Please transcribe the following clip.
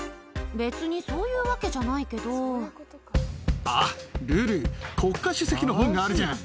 別にそういうわけじゃないけあっ、ルル、国家主席の本があるじゃん。